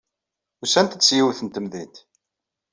Usant-d seg yiwet n temdint.